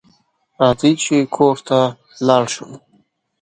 راځه چې کور ته لاړ شو